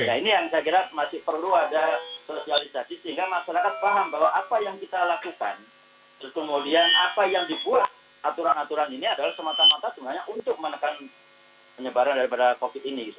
nah ini yang saya kira masih perlu ada sosialisasi sehingga masyarakat paham bahwa apa yang kita lakukan terus kemudian apa yang dibuat aturan aturan ini adalah semata mata sebenarnya untuk menekan penyebaran daripada covid ini